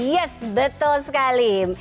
yes betul sekali